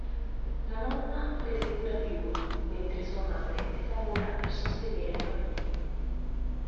La nonna prese cura di lui, mentre sua madre lavora per sostenere la famiglia.